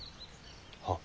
はっ。